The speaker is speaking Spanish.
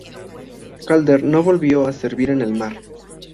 Calder no volvió a servir en el mar.